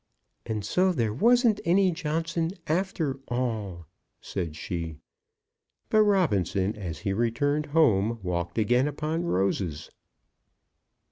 "And so there wasn't any Johnson after all," said she. But Robinson, as he returned home, walked again upon roses.